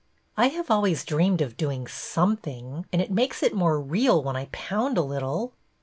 I have always dreamed of doing Something, and it makes it more real when I pound a little."